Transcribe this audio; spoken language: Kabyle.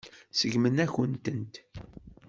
Seggment-akent-tent.